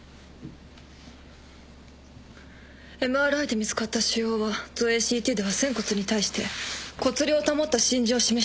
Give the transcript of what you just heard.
ＭＲＩで見つかった腫瘍は造影ＣＴでは仙骨に対して骨梁を保った浸潤を示しています。